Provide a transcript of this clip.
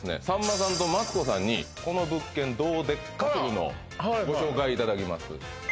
さんまさんとマツコさんにこの物件どうでっかというのをご紹介いただきます